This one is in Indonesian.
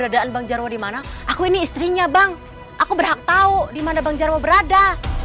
adaan bang jarwo dimana aku ini istrinya bang aku berhak tahu di mana bang jarwo berada